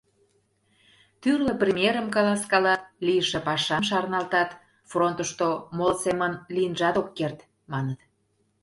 Тӱрлӧ примерым каласкалат, лийше пашам шарналтат., — «Фронтышто моло семын лийынжат ок керт», – маныт.